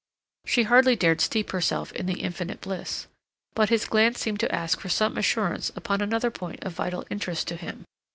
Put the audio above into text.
She hardly dared steep herself in the infinite bliss. But his glance seemed to ask for some assurance upon another point of vital interest to him.